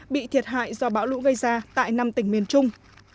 bị thiệt hại do bão lũ gây ra tại năm tỉnh miền trung